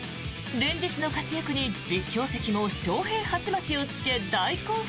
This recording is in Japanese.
連日の活躍に実況席も翔平鉢巻きをつけ大興奮。